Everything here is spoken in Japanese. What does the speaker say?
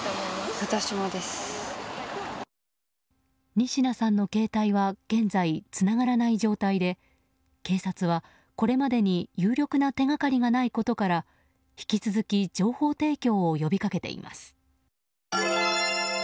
仁科さんの携帯は現在つながらない状態で警察はこれまでに有力な手掛かりがないことから引き続き情報提供を呼び掛けています。